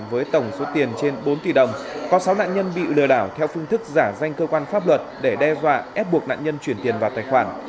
với tổng số tiền trên bốn tỷ đồng có sáu nạn nhân bị lừa đảo theo phương thức giả danh cơ quan pháp luật để đe dọa ép buộc nạn nhân chuyển tiền vào tài khoản